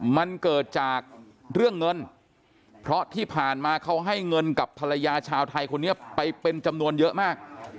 มันเกิดจากเรื่องเงินเพราะที่ผ่านมาเขาให้เงินกับภรรยาชาวไทยคนนี้ไปเป็นจำนวนเยอะมาก